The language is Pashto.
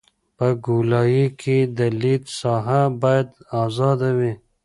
په ګولایي کې د لید ساحه باید ازاده وي